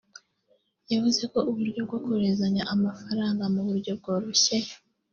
yavuze ko uburyo bwo kohererezanya amafaranga mu buryo bworoshye